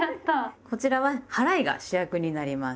こちらは「はらい」が主役になります。